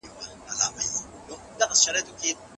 علامه رشاد د خوشال بابا د میراث ساتونکی وو.